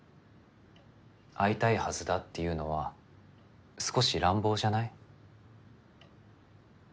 会いたいはずだっていうのは少し乱暴じゃない？